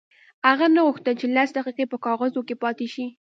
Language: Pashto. هغې نه غوښتل چې لس دقیقې په کاغذونو کې پاتې شي